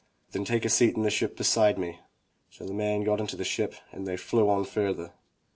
"Then take a seat in the ship beside me." So the man got into the ship and they flew on further.